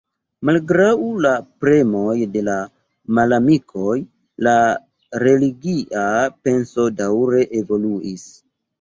Malgraŭ la premoj de la malamikoj, la religia penso daŭre evoluis.